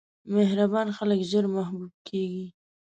مهربان خلک ژر محبوب کېږي.